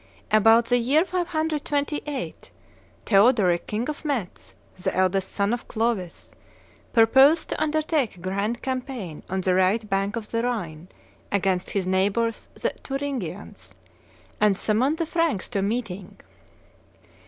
"About the year 528, Theodoric, king of Metz, the eldest son of Clovis, purposed to undertake a grand campaign on the right bank of the Rhine against his neighbors the Thuringians, and summoned the Franks to a meeting.